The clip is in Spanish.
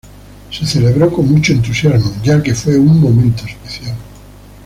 Se celebró con mucho entusiasmo, ya que fue un momento especial.